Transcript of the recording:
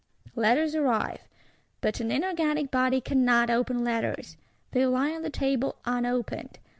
Letters arrive; but an inorganic body cannot open letters; they lie on the table unopened.